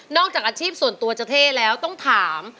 จากอาชีพส่วนตัวจะเท่แล้วต้องถาม